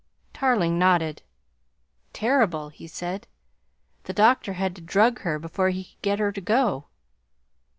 Tarling nodded. "Terrible!" he said. "The doctor had to drug her before he could get her to go."